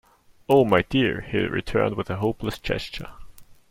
"Oh, my dear," he returned with a hopeless gesture.